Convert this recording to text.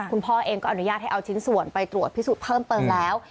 คุณพ่อเองก็อนุญาตให้เอาชิ้นส่วนไปตรวจพิสูจน์เพิ่มเติมแล้ว